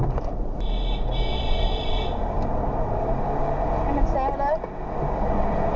ให้มันแซมไปเลย